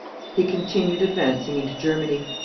He continued advancing into Germany.